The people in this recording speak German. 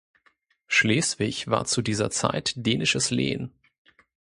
Schleswig war zu dieser Zeit dänisches Lehen.